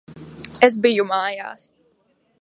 Es biju mājās.